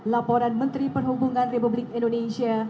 laporan menteri perhubungan republik indonesia